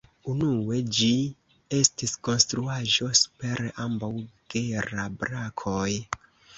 Unue ĝi estis konstruaĵo super ambaŭ Gera-brakoj.